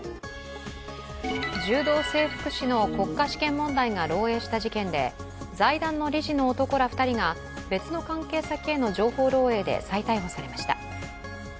柔道整復師の国家試験問題が漏えいした事件で、財団の理事の男ら２人が別の関係先への情報漏えいで再逮捕されました。